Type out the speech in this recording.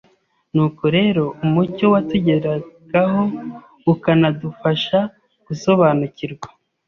Nuko rero umucyo watugeragaho ukanadufasha gusobanukirwa